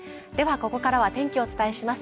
ここからは天気をお伝えします